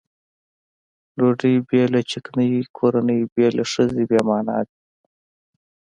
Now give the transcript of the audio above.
ډوډۍ بې له چکنۍ کورنۍ بې له ښځې بې معنا دي.